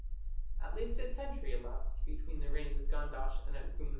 At least a century elapsed between the reigns of Gandash and Agum II.